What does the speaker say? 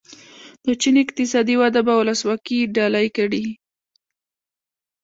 د چین اقتصادي وده به ولسواکي ډالۍ کړي.